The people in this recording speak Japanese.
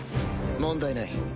問題ない。